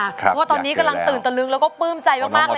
เพราะว่าตอนนี้กำลังตื่นตะลึงแล้วก็ปลื้มใจมากเลย